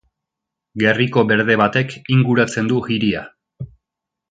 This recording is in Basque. Gerriko berde batek inguratzen du hiria.